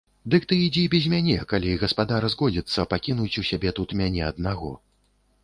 Дык ты ідзі без мяне, калі гаспадар згодзіцца пакінуць у сябе тут мяне аднаго.